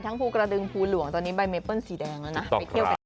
ทั้งภูกระดึงภูหลวงตอนนี้ใบเมปเปิ้ลสีแดงแล้วนะต้องครับ